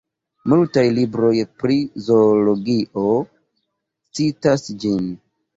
Multaj libroj pri zoologio citas ĝin.